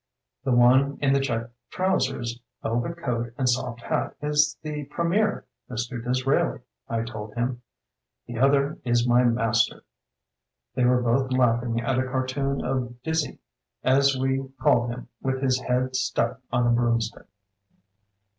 *" The one in the checked trousers, velvet coat, and soft hat is the Pre mier, Mr. Disraeli,' I told him; 'the other is my master.' They were both laughing at a cartoon of 'Dizzy' as we called him with his head stuck on a broomstick.